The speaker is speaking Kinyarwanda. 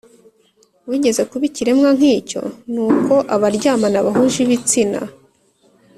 wigeze kuba ikiremwa nkicyo, nuko abaryamana bahuje ibitsina